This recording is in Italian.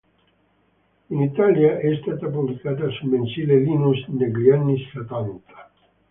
In Italia è stata pubblicata sul mensile "Linus" negli anni settanta.